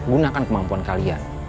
gunakan kemampuan kalian